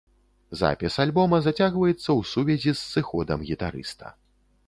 Запіс альбома зацягваецца ў сувязі з сыходам гітарыста.